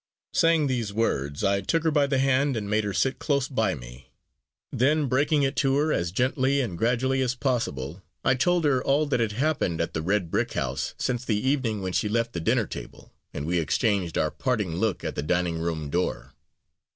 Saying these words, I took her by the hand and made her sit close by me; then, breaking it to her as gently and gradually as possible, I told her all that had happened at the red brick house since the evening when she left the dinner table, and we exchanged our parting look at the dining room door.